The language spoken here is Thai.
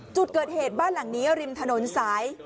จุดเกิดเหตุบ้านหลังนี้ริมถนนสาย